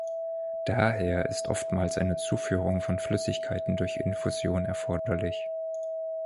Daher ist oftmals eine Zuführung von Flüssigkeiten durch Infusion erforderlich.